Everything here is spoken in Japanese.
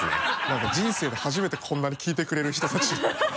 何か人生で初めてこんなに聴いてくれる人たちに出会って。